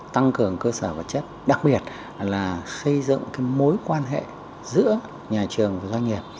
tăng cường cơ sở vật chất đặc biệt là xây dựng mối quan hệ giữa nhà trường và doanh nghiệp